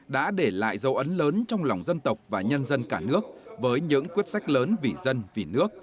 đã để lại dấu ấn lớn trong lòng dân tộc và nhân dân cả nước với những quyết sách lớn vì dân vì nước